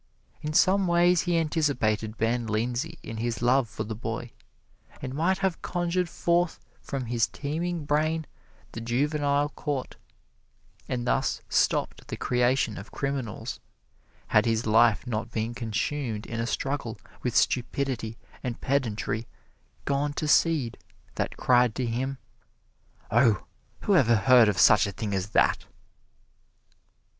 In some ways he anticipated Ben Lindsey in his love for the boy, and might have conjured forth from his teeming brain the Juvenile Court, and thus stopped the creation of criminals, had his life not been consumed in a struggle with stupidity and pedantry gone to seed that cried to him, "Oh, who ever heard of such a thing as that!"